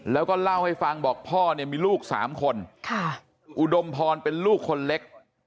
แล้วก็เล่าให้ฟังบอกพ่อเนี่ยมีลูก๓คนอุดมพรเป็นลูกคนเล็ก